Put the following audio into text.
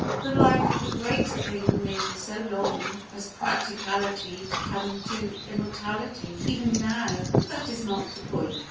The life of a great thing may be so long as practically to come to immortality even now, but that is not the point.